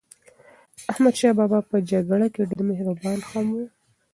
احمدشاه بابا په جګړه کې ډېر مهربان هم و.